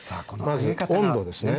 まず温度ですね。